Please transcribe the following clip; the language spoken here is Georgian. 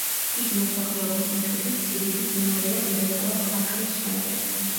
იგი მოსახლეობის მიხედვით სიდიდით მეორეა დედაქალაქ აკრის შემდეგ.